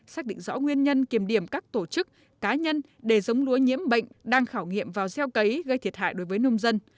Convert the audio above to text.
xác định rõ nguyên nhân kiểm điểm các tổ chức cá nhân để giống lúa nhiễm bệnh đang khảo nghiệm vào gieo cấy gây thiệt hại đối với nông dân